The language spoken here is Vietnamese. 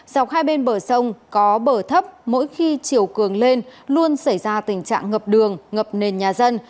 dọc hai bên bờ sông có bờ thấp mỗi khi chiều cường lên luôn xảy ra tình trạng ngập đường ngập nền nhà dân